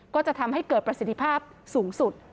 ก็จะทำให้เกิดประสิทธิภาพสูงสุด